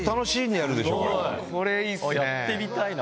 やってみたいな。